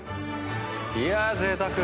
いやぜいたく！